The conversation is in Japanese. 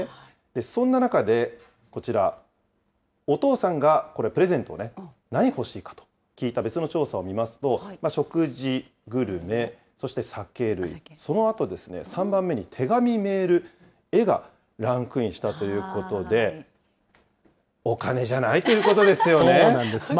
そんな中で、こちら、お父さんがプレゼントをね、何欲しいかと聞いた別の調査を見ますと、食事・グルメ、そして酒類、そのあとですね、３番目に手紙・メール・絵がランクインしたということで、お金じゃないということですよね。